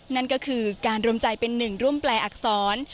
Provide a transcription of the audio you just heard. นั่นก็คือการรวมใจเป็นหนึ่งร่วมแปลอักษร